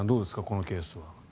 このケースは。